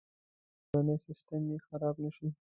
ویرېږي چې کورنی سیسټم یې خراب نه شي.